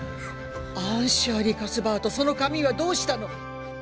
アン・シャーリー・カスバートその髪はどうしたの？